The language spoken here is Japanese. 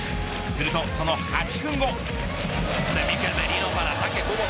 するとその８分後。